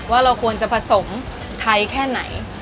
ว่าเราควรจะผสมไทยแค่ไหน